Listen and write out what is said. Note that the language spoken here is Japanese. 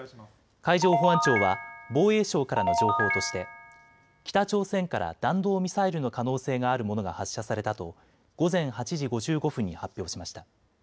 海上保安庁は防衛省からの情報として北朝鮮から弾道ミサイルの可能性があるものが発射されたと午前８時５５分に発表しました。